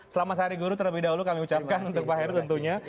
selamat hari guru terlebih dahulu kami ucapkan untuk pak heru tentunya